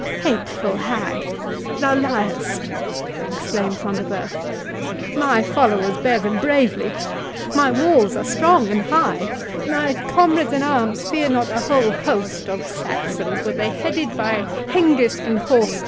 "Hateful hag! thou liest!" exclaimed Front de Bœuf; "my followers bear them bravely—my walls are strong and high—my comrades in arms fear not a whole host of Saxons, were they headed by Hengist and Horsa!